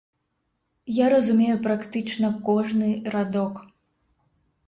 Я разумею практычна кожны радок.